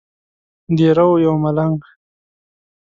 دیره وو یو ملنګ.